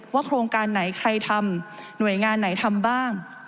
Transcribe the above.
โครงการไหนใครทำหน่วยงานไหนทำบ้าง